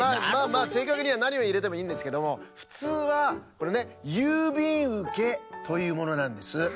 まあまあまあせいかくにはなにをいれてもいいんですけどもふつうはこれねゆうびんうけというものなんです。